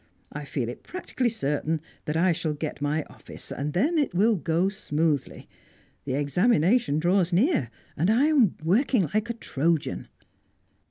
I feel it practically certain that I shall get my office, and then it will go smoothly. The examination draws near, and I am working like a Trojan!"